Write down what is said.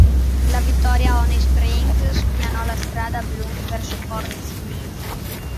La vittoria a Honey Springs spianò la strada a Blunt verso Fort Smith.